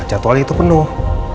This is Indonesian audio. jadwalnya itu penuh